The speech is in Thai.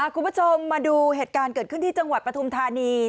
คุณผู้ชมมาดูเหตุการณ์เกิดขึ้นที่จังหวัดปฐุมธานี